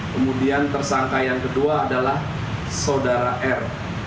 kemudian tersangka yang kedua adalah saudara r